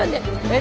え？